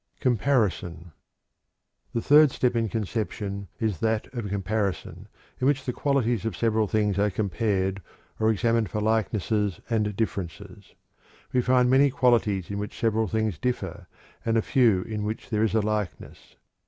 COMPARISON. The third step in conception is that of comparison, in which the qualities of several things are compared or examined for likenesses and differences. We find many qualities in which the several things differ, and a few in which there is a likeness.